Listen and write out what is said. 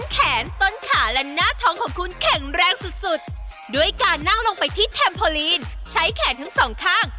แคมพอลีนใช้แขนทั้ง๒ข้าง